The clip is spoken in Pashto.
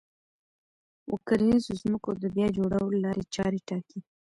و کرنيزو ځمکو د بيا جوړولو لارې چارې ټاکي